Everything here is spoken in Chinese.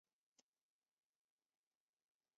一般泛指欧洲东南部没有加入欧盟的国家。